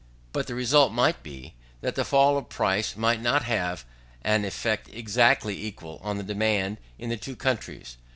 But the result might be, that the fall of price might not have an effect exactly equal, on the demand in the two countries.